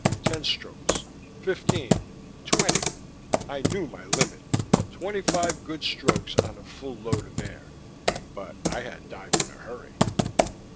Ten strokes, fifteen, twenty. I knew my limit: twenty five good strokes on a full load of air; but I had dived in a hurry....